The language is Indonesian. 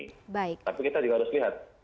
tapi kita juga harus lihat